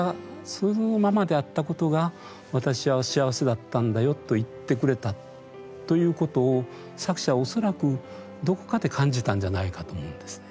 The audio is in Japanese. そのママであったことが私は幸せだったんだよ」と言ってくれたということを作者は恐らくどこかで感じたんじゃないかと思うんですね。